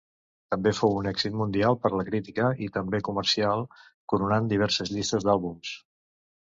També fou un èxit mundial per la crítica i també comercial, coronant diverses llistes d'àlbums.